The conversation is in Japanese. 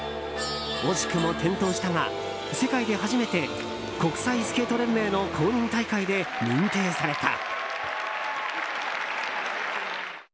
惜しくも転倒したが世界で初めて国際スケート連盟の公認大会で認定された。